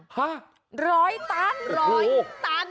ฮะ๑๐๐ตัน๑๐๐ตัน